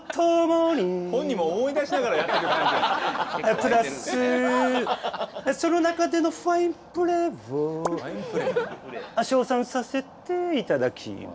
プラスその中でのファインプレーを称賛させていただきます。